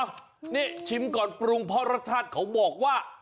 นี่ชิมก่อนปรุงเพราะรสชาติเขาบอกว่า